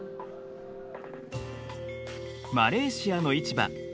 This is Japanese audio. マレーシアの市場。